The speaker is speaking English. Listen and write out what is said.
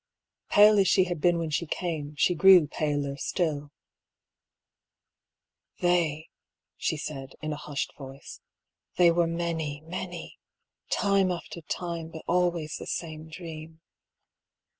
Pale as she had been when she came, she grew paler still. "They," she said, in a hushed voice, "they were many, many; time after time, but always the same dream."